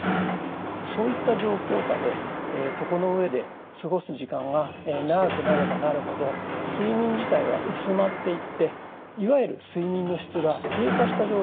そういった状況下で床の上で過ごす時間が長くなればなるほど睡眠自体は薄まっていっていわゆる睡眠の質が低下した状態になりやすいんです。